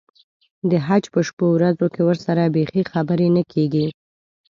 د حج په شپو ورځو کې ورسره بیخي خبرې نه کېږي.